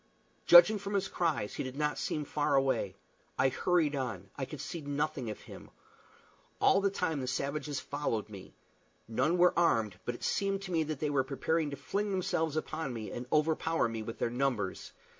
Judging from his cries, he did not seem far away. I hurried on. I could see nothing of him. All the time the savages followed me. None were armed; but it seemed to me that they were preparing to fling themselves upon me and overpower me with their numbers.